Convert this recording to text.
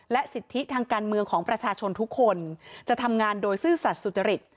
สิทธิทางการเมืองของประชาชนทุกคนจะทำงานโดยซื่อสัตว์สุจริต